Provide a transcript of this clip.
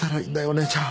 姉ちゃん。